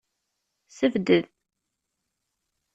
Sebded.